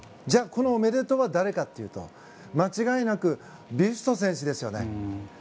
じゃあこのおめでとうは誰かというと間違いなくビュスト選手ですよね。